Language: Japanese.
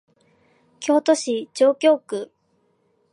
京都市上京区